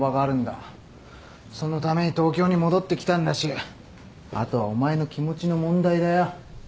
そのために東京に戻ってきたんだしあとはお前の気持ちの問題だよ。